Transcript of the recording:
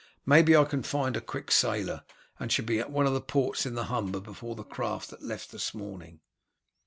Maybe I can find a quick sailer, and shall be at one of the ports in the Humber before the craft that left this morning."